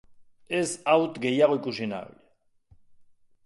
Ez, haut gehiago ikusi nahi.